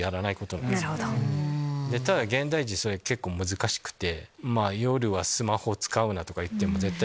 ただ現代人それ結構難しくて。